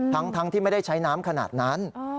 ทั้งที่ไม่ได้ใช้น้ำขนาดนั้น